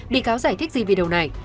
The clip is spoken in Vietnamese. bị cáo giải thích gì video này